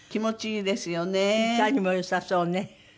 いかにも良さそうね。